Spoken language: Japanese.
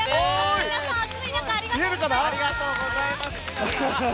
皆さん暑い中ありがとうございます。